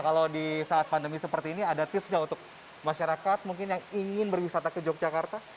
kalau di saat pandemi seperti ini ada tips nggak untuk masyarakat mungkin yang ingin berwisata ke yogyakarta